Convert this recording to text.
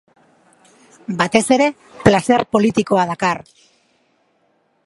Batez ere, plazer politikoa dakar.